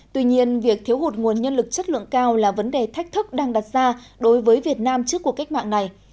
tuy nhiên việc thiếu hụt nguồn nhân lực chất lượng cao là vấn đề thách thức đang đặt ra đối với việt nam trước cuộc cách mạng này